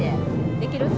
できる？